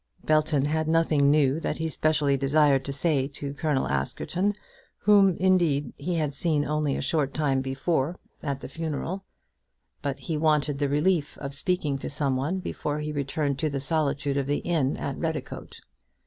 Belton had nothing new that he specially desired to say to Colonel Askerton, whom, indeed, he had seen only a short time before at the funeral; but he wanted the relief of speaking to some one before he returned to the solitude of the inn at Redicote.